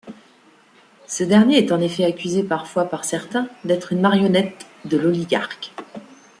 Ce dernier est en effet accusé parfois par certains d'être une marionnette de l'oligarque.